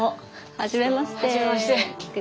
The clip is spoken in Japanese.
はじめまして。